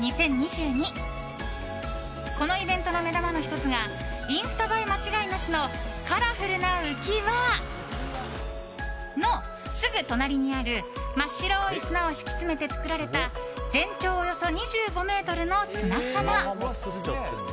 このイベントの目玉の１つがインスタ映え間違いなしのカラフルな浮き輪のすぐ隣にある真っ白い砂を敷き詰めて作られた全長およそ２５ｍの砂浜。